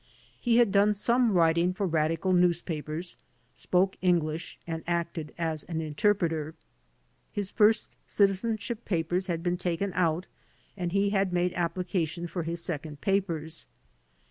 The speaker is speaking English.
He had done some writing for radical news papers, spoke English and acted as an interpreter. His first citizenship papers had been taken out and he had made application for his second papers.